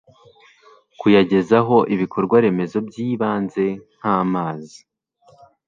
kuyagezaho ibikorwa remezo by'ibanze nk'amazi